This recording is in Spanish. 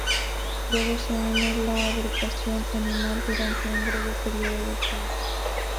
Luego se une a la agrupación "Animal" durante un breve periodo de tiempo.